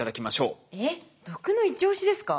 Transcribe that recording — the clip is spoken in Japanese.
えっ毒のイチオシですか？